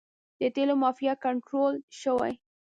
د تیلو مافیا کنټرول شوې؟